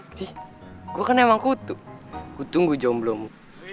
ih gue kan emang kutu kutung gue jomblo mu